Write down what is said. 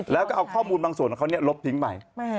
แล้วก็เอาข้อมูลบางส่วนของเขาลบทิ้งไป